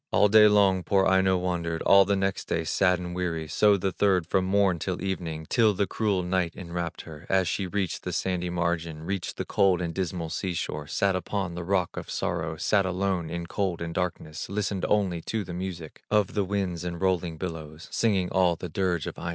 All day long poor Aino wandered, All the next day, sad and weary, So the third from morn till evening, Till the cruel night enwrapped her, As she reached the sandy margin, Reached the cold and dismal sea shore, Sat upon the rock of sorrow, Sat alone in cold and darkness, Listened only to the music Of the winds and rolling billows, Singing all the dirge of Aino.